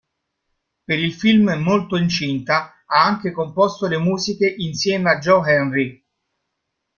Per il film "Molto incinta" ha anche composto le musiche insieme a Joe Henry.